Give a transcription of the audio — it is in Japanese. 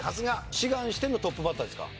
志願してのトップバッターですか？